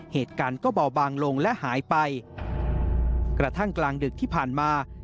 เหตุการณ์ก็เบาบางลงและหายไปกระทั่งกลางดึกที่ผ่านมา